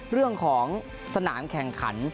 เรื่องของสนามแข่งขัน